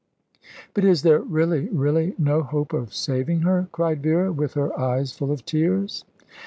"But is there really, really no hope of saving her?" cried Vera, with her eyes full of tears.